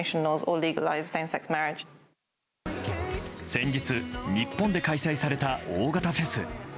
先日、日本で開催された大型フェス。